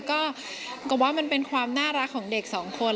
ก็ว่ามันเป็นความน่ารักของเด็กสองคน